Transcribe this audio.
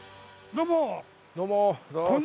どうも！